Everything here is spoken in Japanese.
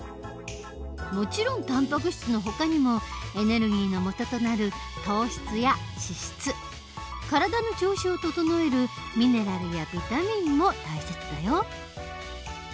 もちろんたんぱく質のほかにもエネルギーのもととなる糖質や脂質体の調子を整えるミネラルやビタミンも大切だよ。